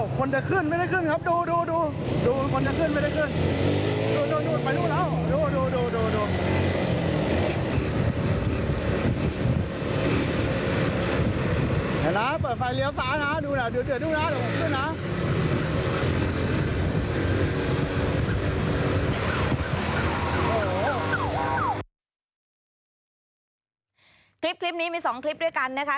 คลิปนี้มี๒คลิปด้วยกันนะคะ